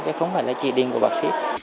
thì không phải là chỉ định của bác sĩ